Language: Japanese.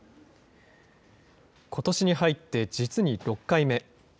ことしに入って実に６回目。